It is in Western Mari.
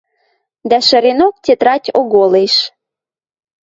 Дӓ шӹренок тетрадь оголеш